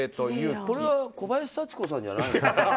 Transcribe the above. これは小林幸子さんじゃないの？